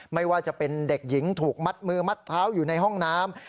ไม่ว่าจะเป็นเด็กหญิงถูกมัดมือมัดเท้าอยู่ในห้องน้ำ